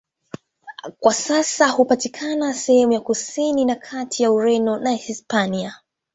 Kwa sasa hupatikana sehemu ya kusini na kati ya Ureno na Hispania.